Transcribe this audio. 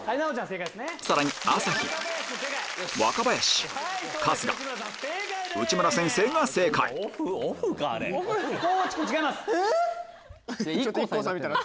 さらに朝日若林春日内村先生が正解地君違います。